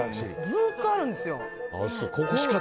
ずっとあるんですよ。